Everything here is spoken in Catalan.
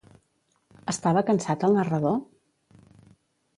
Estava cansat el narrador?